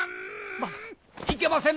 まさかいけません